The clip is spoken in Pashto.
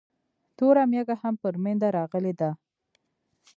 توره مېږه هم پر مينده راغلې ده